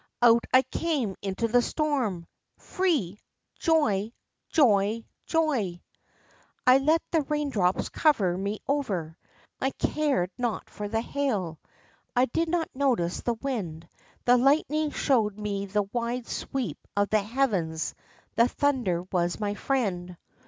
Out I came into the storm. Free! Joy! Joy! Joy! I let the rain drops cover me over. I cared not for the hail. I did not notice the wind. The lightning showed me the wide sweep of the heavens, the thunder was my friend.